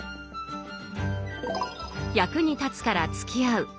役に立つからつきあう